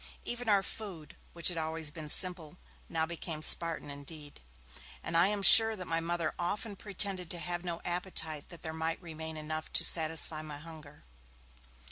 Even our food, which had always been simple, now became Spartan indeed, and I am sure that my Mother often pretended to have no appetite that there might remain enough to satisfy my hunger.